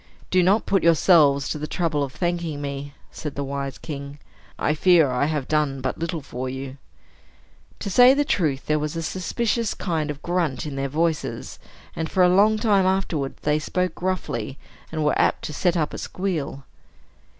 "Do not put yourselves to the trouble of thanking me," said the wise king. "I fear I have done but little for you." To say the truth, there was a suspicious kind of a grunt in their voices, and, for a long time afterwards, they spoke gruffly, and were apt to set up a squeal.